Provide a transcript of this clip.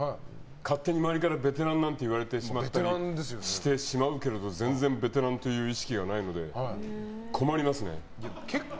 勝手に周りからベテランとかいわれてしまうけれども全然ベテランという意識がないので困りますね。